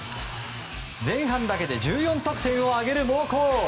前半だけで１４得点を挙げる猛攻。